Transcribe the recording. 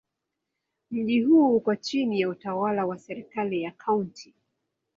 Mji huu uko chini ya utawala wa serikali ya Kaunti.